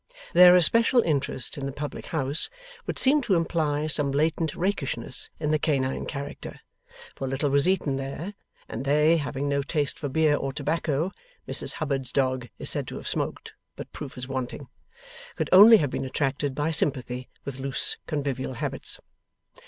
Their especial interest in the public house would seem to imply some latent rakishness in the canine character; for little was eaten there, and they, having no taste for beer or tobacco (Mrs Hubbard's dog is said to have smoked, but proof is wanting), could only have been attracted by sympathy with loose convivial habits.